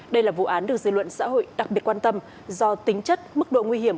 đây là vụ án được dư luận xã hội đặc biệt quan tâm do tính chất mức độ nguy hiểm